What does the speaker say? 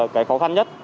cái khó khăn nhất